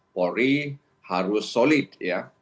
polri harus solid ya